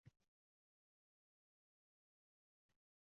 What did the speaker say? Hammasiga sabab — o‘zimizning fikrlash uslubimiz.